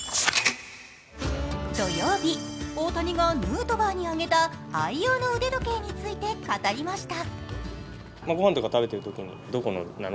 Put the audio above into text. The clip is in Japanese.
土曜日、大谷がヌートバーにあげた愛用の腕時計について語りました。